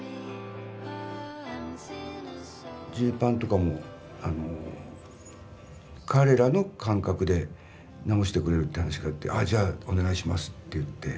ジーパンとかも彼らの感覚で直してくれるっていう話があって「じゃあお願いします」って言って。